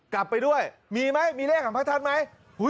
กลับไปด้วยมีไหมมีเลขของพระทัศน์ไหม